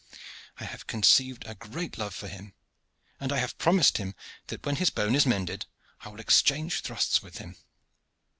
I have conceived a great love for him, and I have promised him that when his bone is mended I will exchange thrusts with him.